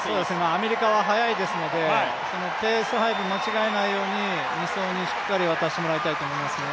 アメリカは速いですので、ペース配分を間違えないように２走にしっかり渡してもらいたいと思いますね。